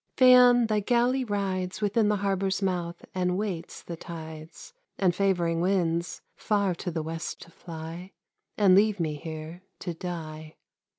Phaon, thy galley rides Within the harbor's mouth and waits the tides And favoring winds, far to the west to fly And leave me here to die.